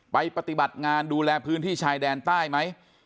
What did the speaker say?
ปฏิบัติงานดูแลพื้นที่ชายแดนใต้ไหม